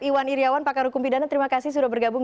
iwan iryawan pakar hukum pidana terima kasih sudah bergabung